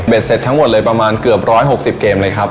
เสร็จทั้งหมดเลยประมาณเกือบ๑๖๐เกมเลยครับ